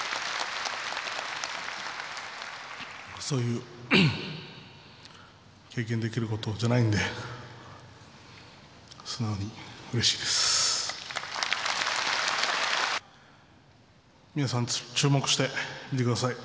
そうそう経験できることじゃないんで、素直にうれしいです。